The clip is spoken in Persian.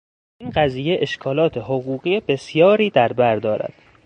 این قضیه اشکالات حقوقی بسیاری دربر دارد.